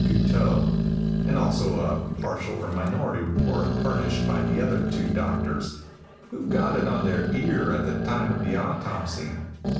Gluiteau, and also a partial or minority report furnished by the other two doctors, who got on their ear at the time of the autopsy.